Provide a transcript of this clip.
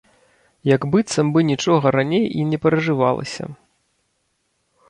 Як быццам бы нічога раней і не перажывалася.